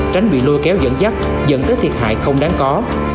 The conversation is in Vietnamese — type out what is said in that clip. tránh bị lôi kéo dẫn dắt dẫn tới thiệt hại không đáng có